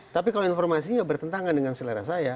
tapi kalau informasinya bertentangan dengan selera saya